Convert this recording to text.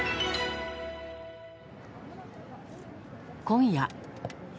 今夜。